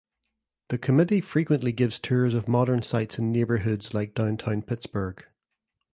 The committee frequently gives tours of modern sites in neighborhoods like Downtown Pittsburgh.